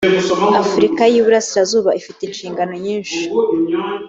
afurika y iburasirazuba ifite inshingano nyinshi